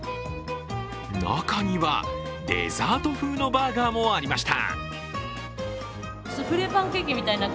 中には、デザート風のバーガーもありました。